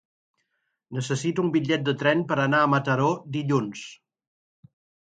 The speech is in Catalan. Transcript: Necessito un bitllet de tren per anar a Mataró dilluns.